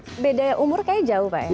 tapi beda umur kayaknya jauh pak ya